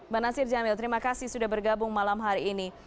bang nasir jamil terima kasih sudah bergabung malam hari ini